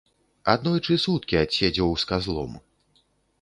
Аднойчы суткі адседзеў з казлом.